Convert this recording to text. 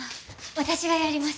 私がやります